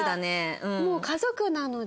もう家族なので。